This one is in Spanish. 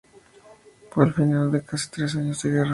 Fue el final de casi tres años de guerra.